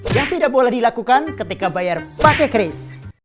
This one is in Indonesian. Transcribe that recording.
yang tidak boleh dilakukan ketika bayar pakai keris